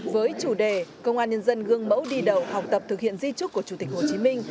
với chủ đề công an nhân dân gương mẫu đi đầu học tập thực hiện di trúc của chủ tịch hồ chí minh